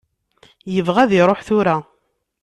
Yebɣa ad iruḥ tura.